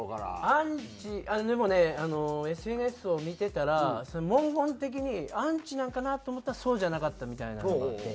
でもねＳＮＳを見てたら文言的にアンチなんかな？と思ったらそうじゃなかったみたいなのがあって。